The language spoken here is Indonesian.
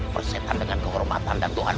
persetan dengan kehormatan dan tuhan